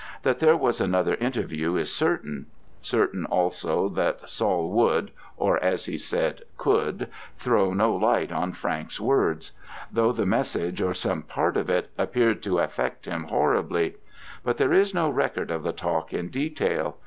That there was another interview is certain: certain also that Saul would (or, as he said, could) throw no light on Frank's words: though the message, or some part of it, appeared to affect him horribly. But there is no record of the talk in detail.